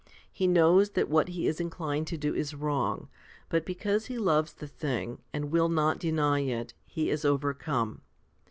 He knows that what he is inclined to do is wrong, but because he loves the thing, and will not deny it, he is overcome.